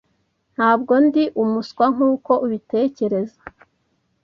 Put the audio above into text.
Ntabwo ndi umuswa nkuko ubitekereza.